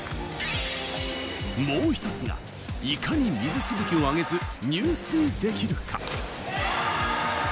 もう一つが、いかに水しぶきを上げず入水できるか。